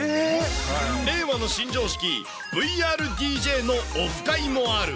令和の新常識、ＶＲＤＪのオフ会もある。